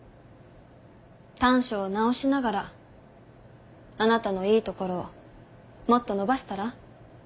短所を直しながらあなたのいいところをもっと伸ばしたら？